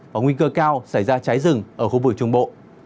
và nguy cơ cao xảy ra cháy rừng ở khu vực trung bộ